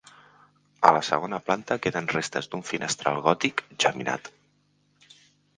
A la segona planta queden restes d'un finestral gòtic geminat.